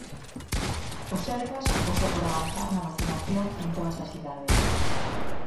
O sergas aposta por avanzar na vacinación en todas as idades.